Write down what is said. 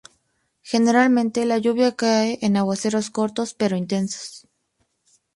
Generalmente, la lluvia cae en aguaceros cortos, pero intensos.